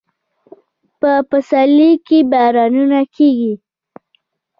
په پسرلي کې بارانونه کیږي